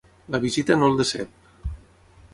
La visita no el decep.